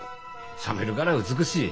冷めるから美しい。